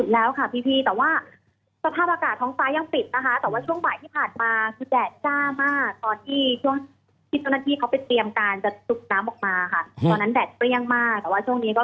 แต่ว่าช่วงนี้ก็คือฟ้าปิดแล้วแล้วก็คึ้มแล้วแต่ว่าไม่มีฝนตกลงมาค่ะ